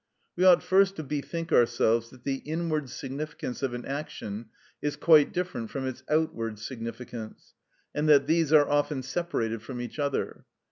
We ought first to bethink ourselves that the inward significance of an action is quite different from its outward significance, and that these are often separated from each other.